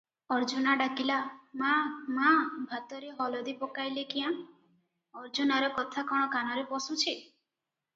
ଅର୍ଜୁନା ଡାକିଲା, "ମା ମା, ଭାତରେ ହଳଦି ପକାଇଲେ କ୍ୟାଁ?" ଅର୍ଜୁନାର କଥା କଣ କାନରେ ପଶୁଛି?